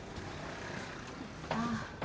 ああ。